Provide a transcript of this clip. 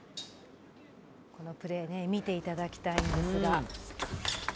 このプレー、見ていただきたいんですが。